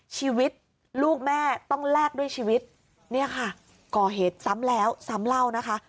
ชีวิตลูกแม่ต้องแลกด้วยชีวิตเนี่ยค่ะก่อเหตุซ้ำแล้วซ้ำเล่านะคะ